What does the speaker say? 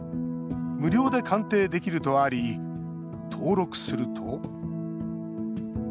無料で鑑定できるとあり登録すると。